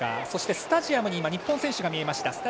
そしてスタジアムに日本選手が見えました。